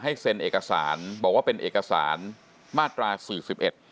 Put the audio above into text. เซ็นเอกสารบอกว่าเป็นเอกสารมาตราสี่สิบเอ็ด